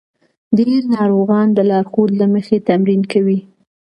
ډېر ناروغان د لارښود له مخې تمرین کوي.